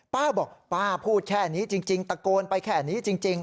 ป้าบอกป้าพูดแค่นี้จริงตะโกนไปแค่นี้จริง